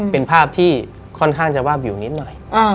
เป็นภาพที่ค่อนข้างจะวาบวิวนิดหน่อย